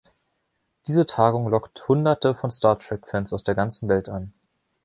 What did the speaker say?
Diese Tagung lockt Hunderte von „Star Trek“-Fans aus der ganzen Welt an.